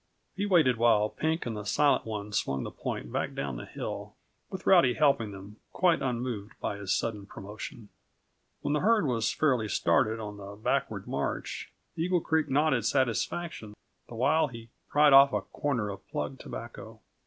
He waited while Pink and the Silent One swung the point back down the hill, with Rowdy helping them, quite unmoved by his sudden promotion. When the herd was fairly started on the backward march, Eagle Creek nodded satisfaction the while he pried off a corner of plug tobacco.